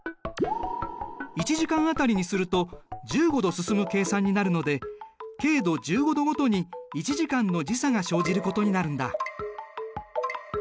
１時間当たりにすると１５度進む計算になるので経度１５度ごとに１時間の時差が生じることになるんだ。